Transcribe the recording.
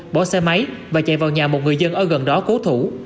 bỏ xe máy và chạy vào nhà một người dân ở gần đó cố thủ